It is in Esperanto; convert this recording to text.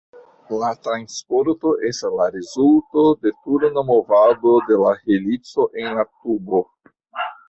La transporto estas la rezulto de turna movado de la helico en la tubo.